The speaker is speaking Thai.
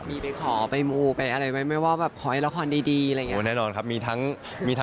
มีไปขอมูไปวิ่งอะไรว่า